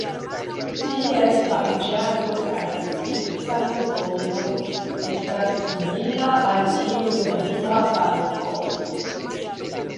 Ties pariĝado kaj reprodukta sezono estas simila al tiu de la Migra falko.